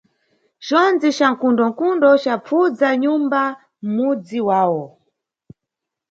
Condzi ca nkundonkundo capfudza nyumba mʼmudzi wawo.